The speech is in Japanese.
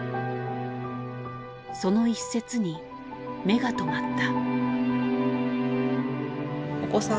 その一節に目が留まった。